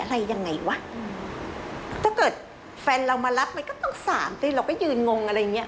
อะไรยังไงวะถ้าเกิดแฟนเรามารับมันก็ต้องสามสิเราก็ยืนงงอะไรอย่างเงี้